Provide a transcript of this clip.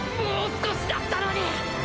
もう少しだったのに！